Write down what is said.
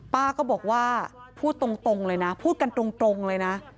ป้าก็บอกว่าพูดตรงเลยนะพูดกันตรงเลยนะ